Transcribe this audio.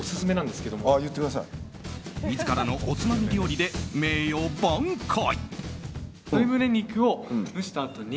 自らのおつまみ料理で名誉挽回。